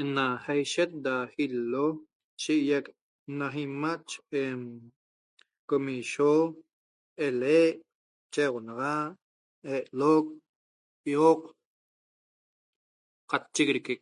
Ena eishet da ialo' shiguiac ena imaa' en comichio, ele', chexonaxa, elooq, pioq qataq chiguirquic